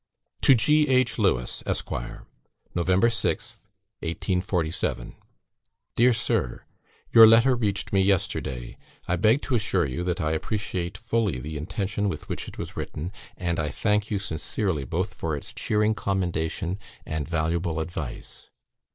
To G. H. LEWES, ESQ. "Nov. 6th, 1847. "Dear Sir, Your letter reached me yesterday; I beg to assure you, that I appreciate fully the intention with which it was written, and I thank you sincerely both for its cheering commendation and valuable advice.